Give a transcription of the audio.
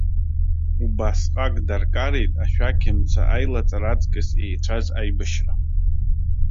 Убасҟак даркареит, ашәақьымца аилаҵара аҵкыс еицәаз аибашьра.